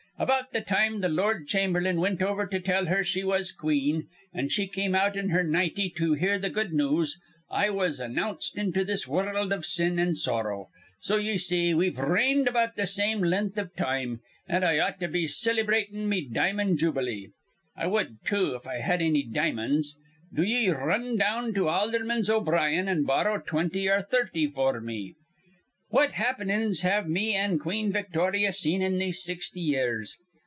About th' time th' lord chamberlain wint over to tell her she was queen, an' she came out in her nitey to hear th' good news, I was announced into this wurruld iv sin an' sorrow. So ye see we've reigned about th' same lenth iv time, an' I ought to be cillybratin' me di'mon' jubilee. I wud, too, if I had anny di'mon's. Do ye r run down to Aldherman O'Brien's an' borrow twinty or thirty f'r me. "Great happenin's have me an' Queen Victorya seen in these sixty years.